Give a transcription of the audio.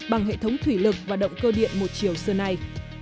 bằng hệ thống thủy lực và động cơ điện một chiều xưa nay